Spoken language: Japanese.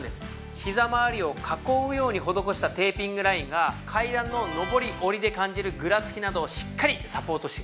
ひざまわりを囲うように施したテーピングラインが階段の上り下りで感じるぐらつきなどをしっかりサポートしてくれるんです。